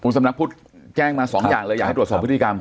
สำนักพุทธแจ้งมาสองอย่างเลยอยากให้ตรวจสอบพฤติกรรม